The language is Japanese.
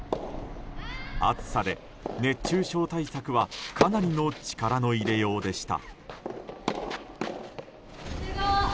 暑さで熱中症対策はかなりの力の入れようでした。